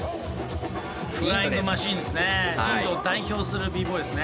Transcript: フライングマシーンですね。